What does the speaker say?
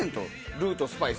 ルートスパイス。